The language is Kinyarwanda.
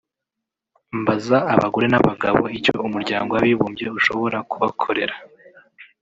mbaza abagore n’abagabo icyo Umuryango w’Abibumbye ushobora kubakorera